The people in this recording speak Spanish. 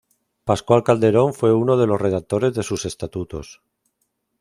Pascual Calderón fue uno de los redactores de sus estatutos.